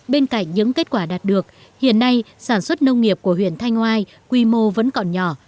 bên cạnh những kết quả đạt được hiện nay sản xuất nông nghiệp của huyện thanh oai quy mô vẫn còn nhỏ